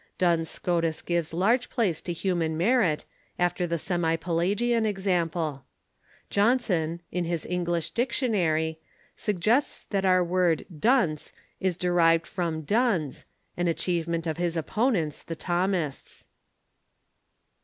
Duns Scotus gives large place to human merit, after the serai Pelagian example. Johnson, in his English Dictionary, suggests that our word dunce is derived from Duns — an achievement of his opponents, the Thomists.